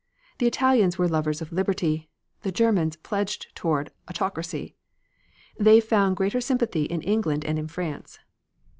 The Italians were lovers of liberty; the Germans pledged toward autocracy. They found greater sympathy in England and in France.